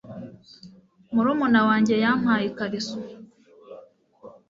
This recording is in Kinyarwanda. Murumuna wanjye yampaye ikariso.